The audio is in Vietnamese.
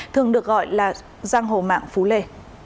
thường được gọi là giang hồ mạng phú lê